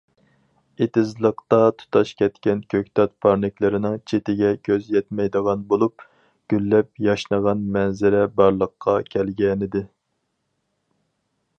ئېتىزلىقتا تۇتاش كەتكەن كۆكتات پارنىكلىرىنىڭ چېتىگە كۆز يەتمەيدىغان بولۇپ، گۈللەپ ياشنىغان مەنزىرە بارلىققا كەلگەنىدى.